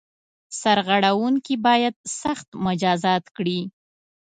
سرغړوونکي باید سخت مجازات کړي.